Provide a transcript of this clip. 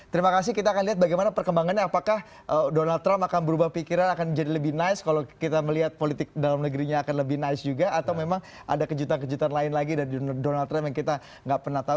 terima kasih kita akan lihat bagaimana perkembangannya apakah donald trump akan berubah pikiran akan jadi lebih nice kalau kita melihat politik dalam negerinya akan lebih nice juga atau memang ada kejutan kejutan lain lagi dari donald trump yang kita nggak pernah tahu